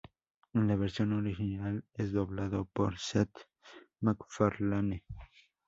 En la versión original es doblado por Seth MacFarlane.